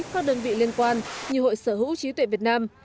các đơn vị liên quan như hội sở hữu trí tuệ việt nam